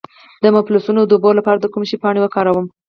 د مفصلونو د اوبو لپاره د کوم شي پاڼې وکاروم؟